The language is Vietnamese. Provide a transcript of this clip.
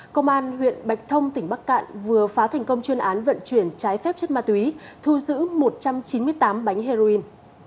công an huyện bạch thông tỉnh bắc cạn vừa phá thành công chuyên án vận chuyển trái phép chất ma túy thu giữ một trăm chín mươi tám bánh heroin